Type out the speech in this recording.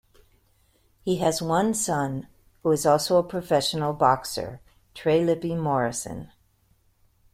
He has one son who is also a professional boxer, Trey Lippe Morrison.